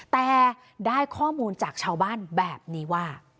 แต่ได้ข้อมูลจากชาวบ้านแบบนี้ว่า